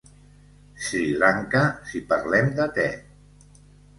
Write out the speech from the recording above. Sri Lanka, si parlem de te.